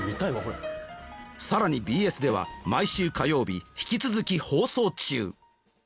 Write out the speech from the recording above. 更にＢＳでは毎週火曜日引き続き放送中！